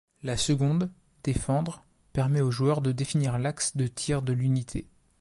La seconde, défendre, permet au joueur de définir l’axe de tir de l’unité.